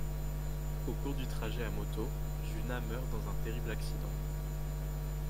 Au cours du trajet à moto, Juna meurt dans un terrible accident.